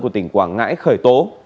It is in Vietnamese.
của tỉnh quảng ngãi khởi tố